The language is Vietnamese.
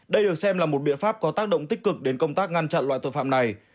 đây được xem là một biện pháp có tác động tích cực đến công tác ngăn chặn loại tội phạm này